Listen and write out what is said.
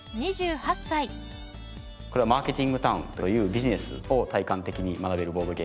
これは「マーケティングタウン」というビジネスを体感的に学べるボードゲーム。